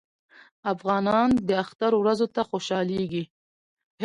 افغانان د اختر ورځو ته خوشحالیږي.